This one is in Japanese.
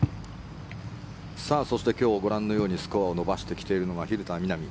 そして今日、ご覧のようにスコアを伸ばしてきているのは蛭田みな美。